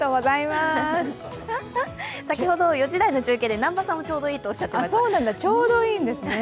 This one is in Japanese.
先ほど４時台の中継で南波さんもちょうどいいとおっしゃっていました。